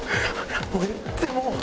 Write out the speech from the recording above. もうええってもう！